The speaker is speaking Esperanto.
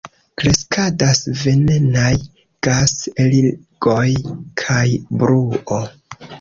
Kreskadas venenaj gas-eligoj kaj bruo.